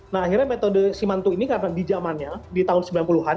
nah akhirnya metode simantu ini karena di zamannya di tahun sembilan puluh an